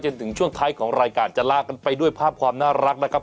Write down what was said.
ถึงช่วงท้ายของรายการจะลากันไปด้วยภาพความน่ารักนะครับ